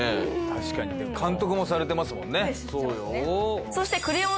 確かに監督もされてますもんね